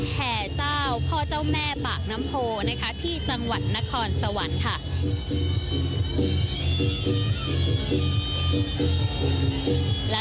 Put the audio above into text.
แห่เจ้าพ่อเจ้าแม่ปากน้ำโพนะคะที่จังหวัดนครสวรรค์ค่ะ